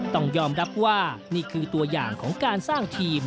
ต้องยอมรับว่านี่คือตัวอย่างของการสร้างทีม